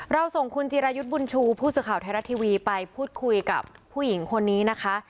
ส่งคุณจิรายุทธ์บุญชูผู้สื่อข่าวไทยรัฐทีวีไปพูดคุยกับผู้หญิงคนนี้นะคะ